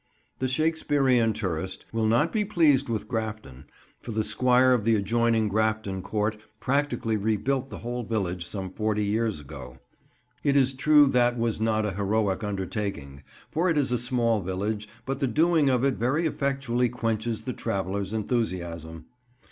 The Shakespearean tourist will not be pleased with Grafton, for the squire of the adjoining Grafton Court practically rebuilt the whole village some forty years ago. It is true that was not a heroic undertaking, for it is a small village, but the doing of it very effectually quenches the traveller's enthusiasm.